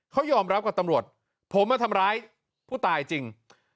เขายอมรับกับตำรวจผมมาทำร้ายผู้ตายจริง